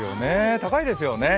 高いですよね。